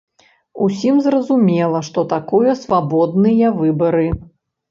Усім зразумела, што такое свабодныя выбары.